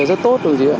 rất tốt đồng chí ạ